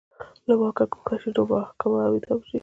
که له واکه ګوښه شي نو محاکمه او اعدام شي